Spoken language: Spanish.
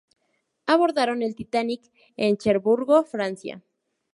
Abordaron el "Titanic" en Cherburgo, Francia.